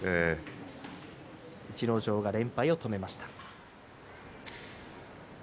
逸ノ城は連敗を止めました。